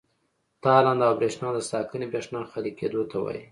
تالنده او برېښنا د ساکنې برېښنا خالي کېدو ته وایي.